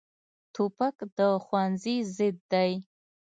توپک د ښوونځي ضد دی.